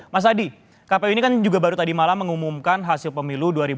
mas adi kpu ini kan juga baru tadi malam mengumumkan hasil pemilu dua ribu dua puluh